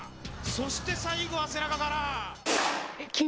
そして最後は背中から。